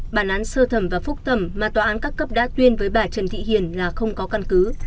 bản án sơ thẩm và phúc thẩm mà tòa án các cấp đã tuyên với bà trần thị hiền là không có căn cứ